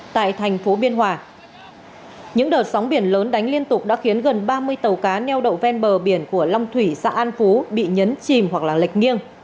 tại thành phố biên hòa những đợt sóng biển lớn đánh liên tục đã khiến gần ba mươi tàu cá neo đậu ven bờ biển của long thủy xã an phú bị nhấn chìm hoặc lật nghiêng